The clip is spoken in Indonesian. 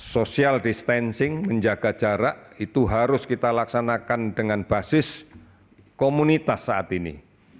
social distancing menjaga jarak itu harus kita laksanakan dengan basis komunitas saat ini